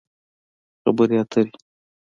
خبرې اترې